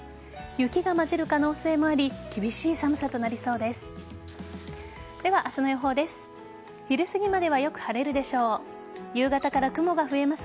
雪が交じる可能性もあり厳しい寒さとなりそうです。